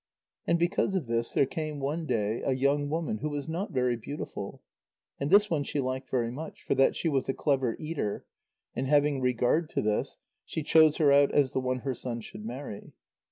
And because of this there came one day a young woman who was not very beautiful. And this one she liked very much, for that she was a clever eater, and having regard to this, she chose her out as the one her son should marry.